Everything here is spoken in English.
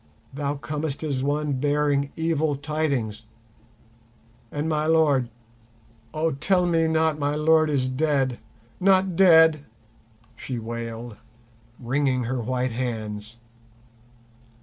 Thou comest as one bearing evil tidings—and my lord—oh, tell me not my lord is dead—not dead!" she wailed, wringing her white hands.